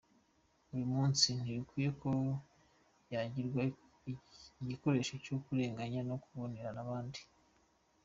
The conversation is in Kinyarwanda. Uyu munsi, ntibikwiye ko yagirwa igikoresho cyo kurenganya no kubonerana abandi.